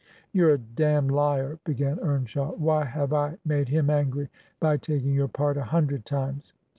'You're a damned liar,' b^an Eamshaw. 'Why have I made him angry, by taking your part, a hundred times?